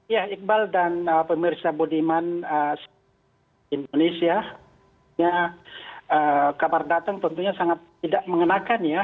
ya iqbal dan pemirsa budiman indonesia kabar datang tentunya sangat tidak mengenakan ya